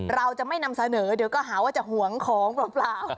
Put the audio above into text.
เราจะไม่นำเสนอเดี๋ยวก็หาว่าจะห่วงของเปล่า